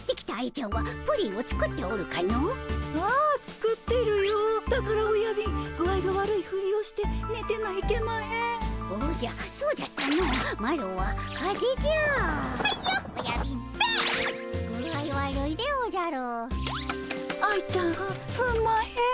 愛ちゃんはんすんまへん。